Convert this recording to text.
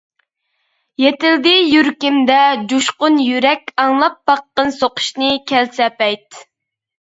يېتىلدى يۈرىكىمدە جۇشقۇن يۈرەك، ئاڭلاپ باققىن سوقۇشىنى كەلسە پەيت.